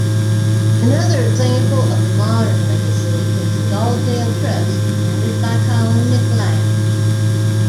Another example of the modern legacy is the "Gall-Gael Trust" founded by Colin MacLeod.